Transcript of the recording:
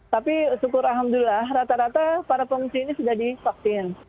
tapi syukur alhamdulillah rata rata para pengungsi ini sudah divaksin